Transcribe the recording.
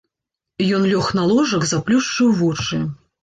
Ён лёг на ложак, заплюшчыў вочы.